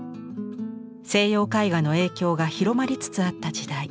西洋絵画の影響が広まりつつあった時代。